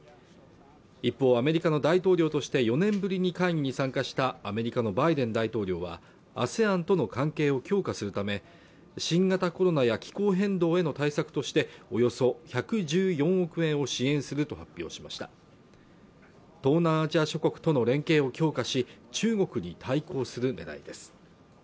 一方アメリカの大統領として４年ぶりに会議に参加したアメリカのバイデン大統領はＡＳＥＡＮとの関係を強化するため新型コロナや気候変動への対策としておよそ１１４億円を支援すると発表しました東南アジア諸国との連携を強化し中国に対抗するねらいです